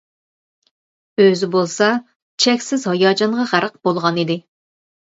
ئۆزى بولسا، چەكسىز ھاياجانغا غەرق بولغانىدى.